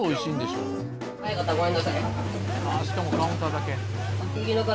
しかもカウンターだけ。